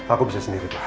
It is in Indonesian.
aku bisa sendiri pak